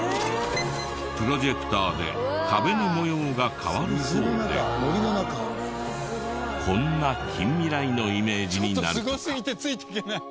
プロジェクターで壁の模様が変わるそうでこんな近未来のイメージになるとか。